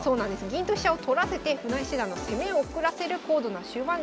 銀と飛車を取らせて船江七段の攻めを遅らせる高度な終盤術。